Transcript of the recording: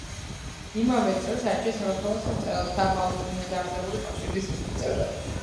იმავე წელს აირჩიეს საქართველოს მწერალთა ახლადდაარსებული კავშირის წევრად.